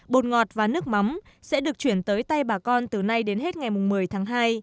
bột ngọt và nước mắm sẽ được chuyển tới tay bà con từ nay đến hết ngày một mươi tháng hai